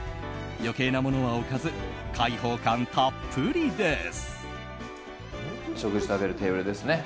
余計なものは置かず開放感たっぷりです。